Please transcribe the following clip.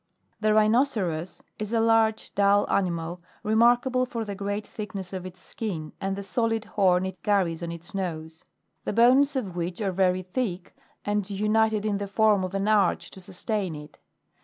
7. The RHINOCEROS, (Plate 5. Jig. 3.) is a large, dull animal, remarkable for the great thickness of its skin, and the solid horn it carries on its nose, the bones of which are very thick, and united in the form of an arch to sustain it.